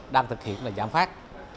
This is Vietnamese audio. đang thực hiện giảm phát